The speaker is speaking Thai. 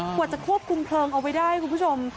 กว่าจะควบคุมเพลิงเอาไว้ได้คุณผู้ชม